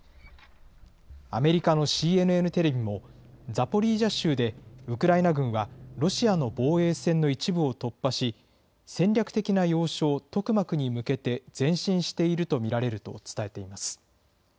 アメリカのＣＮＮテレビも、ザポリージャ州で、ウクライナ軍はロシアの防衛線の一部を突破し、戦略的な要衝、トクマクに向けて前進していると見られると伝えています。